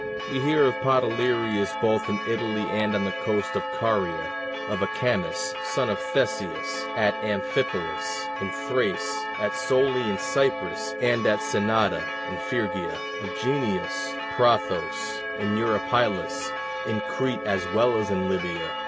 We hear of Podalerius both in Italy and on the coast of Caria; of Acamas, son of Theseus, at Amphipolus in Thrace, at Soli in Cyprus, and at Synnada in Phrygia; of Guneus, Prothous, and Eurypylus, in Crete as well as in Libya.